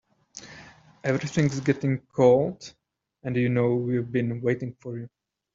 Everything's getting cold and you know we've been waiting for you.